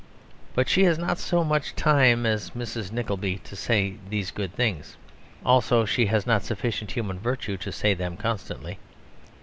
But she has not so much time as Mrs. Nickleby to say these good things; also she has not sufficient human virtue to say them constantly.